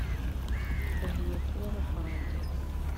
ndahiye kubaho kwanjye